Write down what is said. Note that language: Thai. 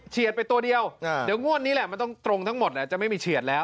เฉียดไปตัวเดียวเดี๋ยวงวดนี้แหละตรงทั้งหมดจังไม่มีเฉียดแล้ว